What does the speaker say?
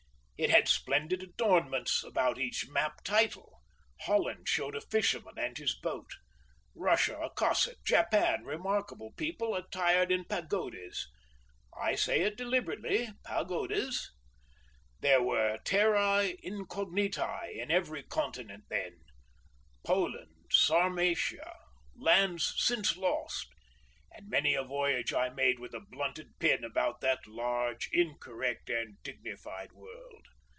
It had splendid adornments about each map title; Holland showed a fisherman and his boat; Russia a Cossack; Japan, remarkable people attired in pagodas—I say it deliberately, "pagodas." There were Terrae Incognitae in every continent then, Poland, Sarmatia, lands since lost; and many a voyage I made with a blunted pin about that large, incorrect and dignified world.